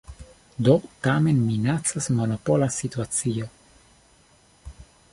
Do tamen minacas monopola situacio.